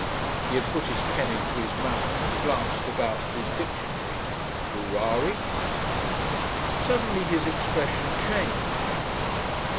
He had put his pen into his mouth and glanced about for his dictionary. Urare? Suddenly his expression changed.